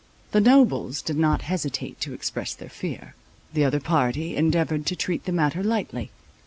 The nobles did not hesitate to express their fear; the other party endeavoured to treat the matter lightly.